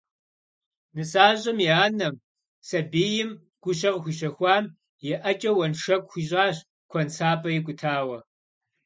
Нысащӏэм и анэм, сэбийм гущэ къыхуищэхуам, и ӏэкӏэ уэншэку хуищӏащ куэнсапӏэ икӏутауэ.